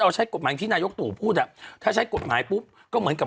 ใช้กฎหมายที่นายกตู่พูดอ่ะถ้าใช้กฎหมายปุ๊บก็เหมือนกับ